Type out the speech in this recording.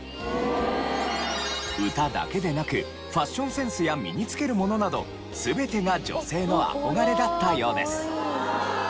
歌だけでなくファッションセンスや身につけるものなど全てが女性の憧れだったようです。